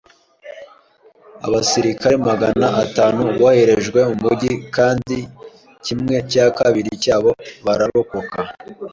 Abasirikare magana atanu boherejwe mu mujyi, kandi kimwe cya kabiri cyabo bararokoka. (Eldad)